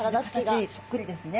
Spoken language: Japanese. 形そっくりですね。